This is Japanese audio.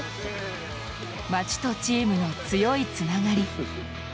町とチームの強いつながり。